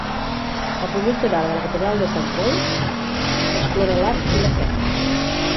El projecte d'art de la catedral de Saint Paul explora l'art i la fe.